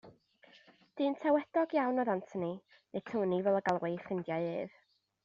Dyn tawedog iawn oedd Anthony, neu Tony fel y galwai ei ffrindiau ef.